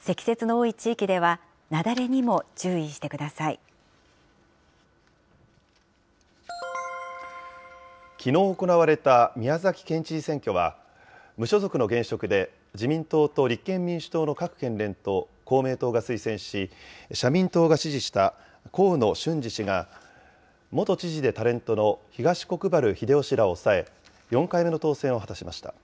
積雪の多い地域では、雪崩にも注きのう行われた宮崎県知事選挙は、無所属の現職で自民党と立憲民主党の各県連と公明党が推薦し、社民党が支持した河野俊嗣氏が、元知事でタレントの東国原英夫氏らを抑え、４回目の当選を果たしました。